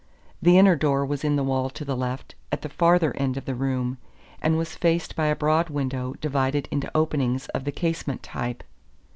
The inner door was in the wall to the left, at the farther end of the room; and was faced by a broad window divided into openings of the casement type.